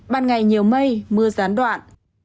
ban ngày nhiều mây mưa gián đoạn